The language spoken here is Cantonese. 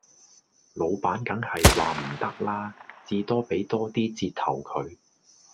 老闆梗係話唔得啦，至多俾多 d 折頭佢